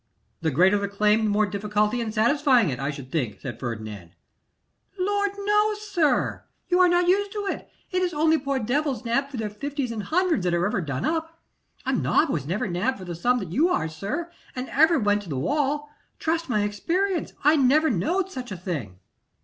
'The greater the claim, the more difficulty in satisfying it, I should think,' said Ferdinand. 'Lord! no, sir: you are not used to it. It is only poor devils nabbed for their fifties and hundreds that are ever done up. A nob was never nabbed for the sum you are, sir, and ever went to the wall. Trust my experience. I never knowed such a thing.